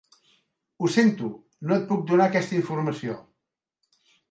Ho sento, no et puc donar aquesta informació.